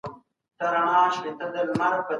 هغه څوک چي کتابتون ته ځي پوهه اخلي.